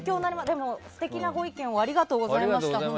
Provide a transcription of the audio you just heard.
でも、素敵なご意見をありがとうございました。